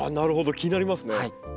気になりますね。